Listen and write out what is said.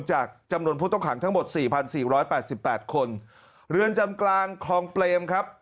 จากจำนวนผู้ต้องขังทั้งหมดสี่พันสี่ร้อยแปดสิบแปดคนเรือนจำกลางคลองเปรมครับ